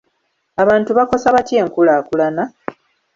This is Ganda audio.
Abantu bakosa batya enkulaakulana?